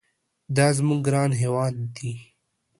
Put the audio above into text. دا زموږ ګران هېواد دي.